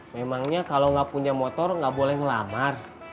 memangnya kalau gak punya motor gak boleh ngelamar